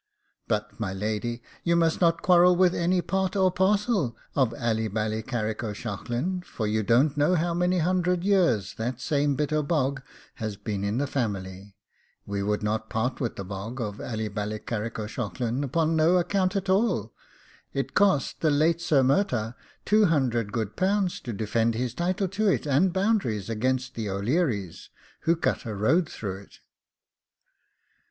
But, my lady, you must not quarrel with any part or parcel of Allyballycarricko'shaughlin, for you don't know how many hundred years that same bit of bog has been in the family; we would not part with the bog of Allyballycarricko'shaughlin upon no account at all; it cost the late Sir Murtagh two hundred good pounds to defend his title to it and boundaries against the O'Learys, who cut a road through it.